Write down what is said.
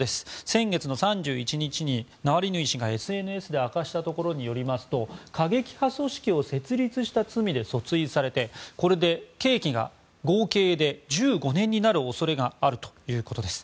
先月３１日にナワリヌイ氏がＳＮＳで明かしたところによりますと過激派組織を設立した罪で訴追されてこれで刑期が合計で１５年になる恐れがあるということです。